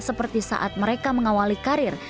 seperti saat mereka mengawali karir